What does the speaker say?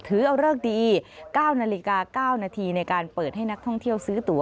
ถือเอาเลิกดี๙นาฬิกา๙นาทีในการเปิดให้นักท่องเที่ยวซื้อตัว